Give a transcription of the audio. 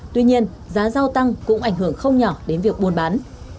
tuy nhiên giá rau tăng cũng ảnh hưởng không nhỏ đến việc buôn bán